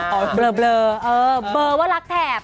เปิดเล่อเออเบอร์ว่ารักแทบ